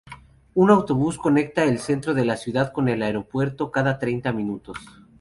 Un autobús conecta el centro de la ciudad con el aeropuerto cada treinta minutos.